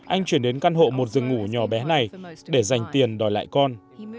anh chuyển đến căn hộ một giường ngủ nhỏ bé này để dành tiền đòi lại con